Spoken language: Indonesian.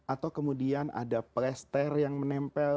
atau kemudian ada plester yang menempel